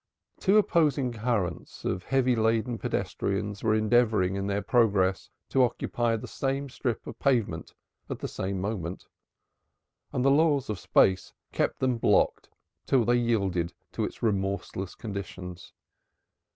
Two opposing currents of heavy laden pedestrians were endeavoring in their progress to occupy the same strip of pavement at the same moment, and the laws of space kept them blocked till they yielded to its remorseless conditions.